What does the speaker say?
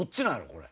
これ。